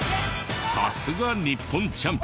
さすが日本チャンピオン。